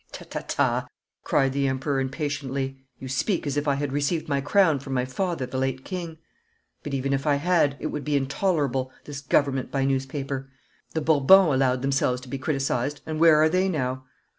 'Ta, ta, ta!' cried the Emperor impatiently. 'You speak as if I had received my crown from my father the late king. But even if I had, it would be intolerable, this government by newspaper. The Bourbons allowed themselves to be criticised, and where are they now?